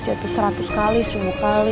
jatuh seratus kali sepuluh kali